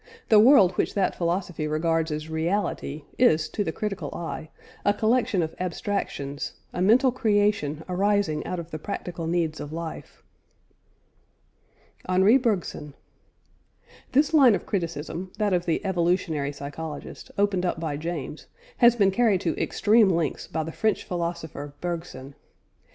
The world which that philosophy regards as reality, is, to the critical eye, a collection of abstractions, a mental creation arising out of the practical needs of life. HENRI BERGSON. This line of criticism, that of the evolutionary psychologist, opened up by James, has been carried to extreme lengths by the French philosopher Bergson.